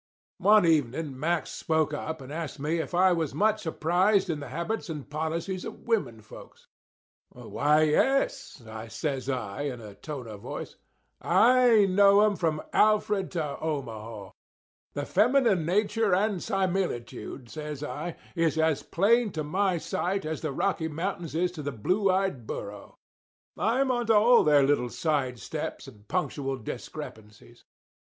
One evening Mack spoke up and asked me if I was much apprised in the habits and policies of women folks. "Why, yes," says I, in a tone of voice; "I know 'em from Alfred to Omaha. The feminine nature and similitude," says I, "is as plain to my sight as the Rocky Mountains is to a blue eyed burro. I'm onto all their little side steps and punctual discrepancies."